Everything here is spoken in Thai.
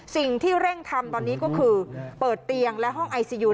สิ่งที่เร่งทำตอนนี้ก็คือเปิดเตียงและห้องไอซียู